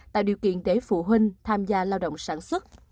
tạo điều kiện để phụ huynh tham gia lao động sản xuất